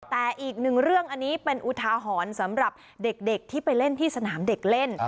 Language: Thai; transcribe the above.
แต่อีกหนึ่งเรื่องอันนี้เป็นอุทาหรณ์สำหรับเด็กที่ไปเล่นที่สนามเด็กเล่น